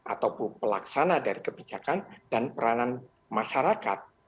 ataupun pelaksana dari kebijakan dan peranan masyarakat